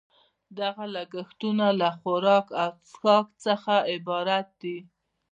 دغه لګښتونه له خوراک او څښاک څخه عبارت دي